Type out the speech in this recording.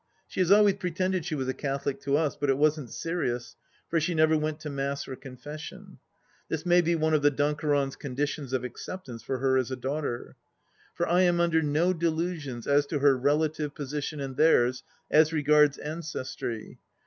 She has always pretended she was a Catholic to us, but it wasn't serious, for she never went to Mass or Confession. This may be one of the Dunkerons' conditions of acceptance of her as a daughter. For I am under no delusions as to her relative position and theirs, as regards ancestry.